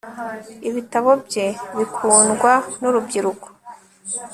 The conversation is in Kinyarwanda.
ibitabo bye bikundwa nurubyiruko